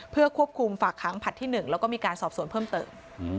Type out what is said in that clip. เพื่อควบคุมฝากขังผลัดที่๑แล้วก็มีการสอบสวนเพิ่มเติม